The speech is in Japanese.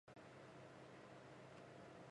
とげのある木の総称である